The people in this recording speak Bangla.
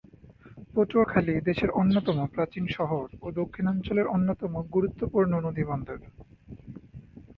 পটুয়াখালী দেশের অন্যতম প্রাচীন শহর ও দক্ষিণাঞ্চলের অন্যতম গুরুত্বপূর্ণ নদীবন্দর।